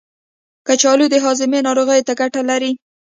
کچالو د هاضمې ناروغیو ته ګټه لري.